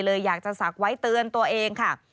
เลยอยากจะสักไว้เตือนตัวเองค่ะ